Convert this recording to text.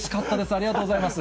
ありがとうございます。